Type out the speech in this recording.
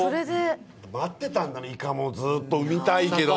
待っていたんだね、イカもずっと、産みたいけど。